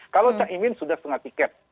kalau cak imin sudah setengah tiket